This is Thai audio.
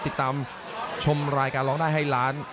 ติดตามชมรายการร้องได้ให้ล้าน